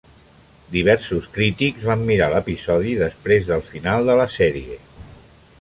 Diversos crítics van mirar l'episodi després del final de la sèrie.